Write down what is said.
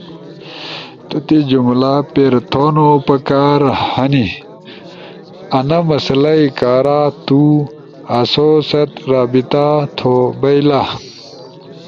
تو تی جملہ پیر تھونو پکار ہنی۔ انا مسئلہ ئی کارا تو آسو ست رابطہ تھو بئیلا۔